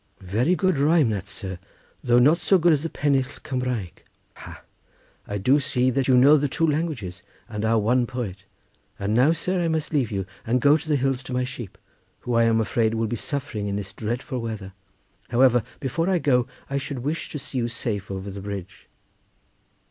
'" "Very good rhyme that, sir! though not so good as the pennill Cymraeg. Ha, I do see that you know the two languages and are one poet. And now, sir, I must leave you, and go to the hills to my sheep, who I am afraid will be suffering in this dreadful weather. However, before I go, I should wish to see you safe over the bridge."